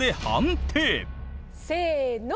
せの！